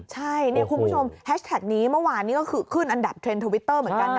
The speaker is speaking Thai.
ใช่เนี่ยคุณผู้ชมแฮชแท็กนี้เมื่อวานนี้ก็คือขึ้นอันดับเทรนด์ทวิตเตอร์เหมือนกันนะ